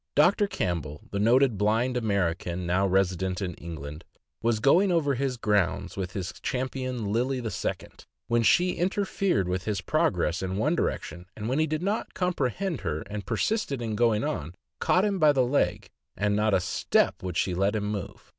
Doctor Campbell, the noted blind American, now resi dent in England, was going over his grounds with his Champion Lily II., when she interfered with his progress in one direction, and when he did not comprehend her, and persisted in going on, caught him by the leg, and not a step would she let him move.